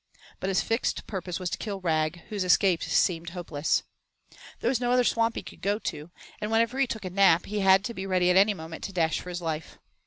But his fixed purpose was to kill Rag, whose escape seemed hopeless. There was no other swamp he could go to, and whenever he took a nap now he had to be ready at any moment to dash for his life.